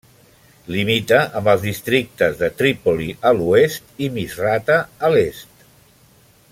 Limita amb els districtes de Trípoli a l'oest i Misrata a l'est.